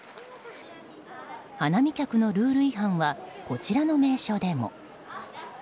花見客のルール違反はこちらの名所でも。